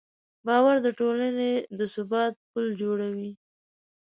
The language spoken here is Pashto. باور د ټولنې د ثبات پل جوړوي.